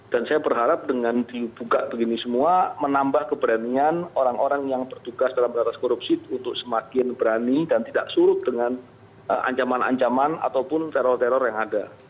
dan saya berharap dengan dibuka begini semua menambah keberanian orang orang yang bertugas dalam beratas korupsi untuk semakin berani dan tidak surut dengan ancaman ancaman ataupun teror teror yang ada